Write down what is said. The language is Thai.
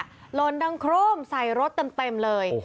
หล่นดังโครมใส่รถเต็มเลย